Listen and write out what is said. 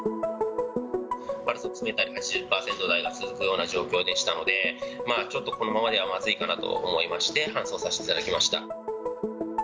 パルスオキシメーターで８０％台が続くような状態でしたので、ちょっとこのままではまずいかなと思いまして、搬送させていただきました。